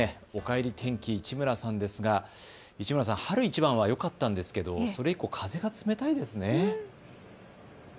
おかえり天気、市村さんですが春一番はよかったんですけれどもそれ以降、風が冷たいですね。